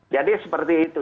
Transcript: jadi seperti itu